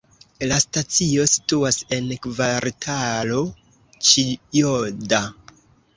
La stacio situas en Kvartalo Ĉijoda.